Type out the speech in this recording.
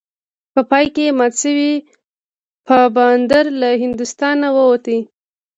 په پای کې مات شوی پفاندر له هندوستانه ووت.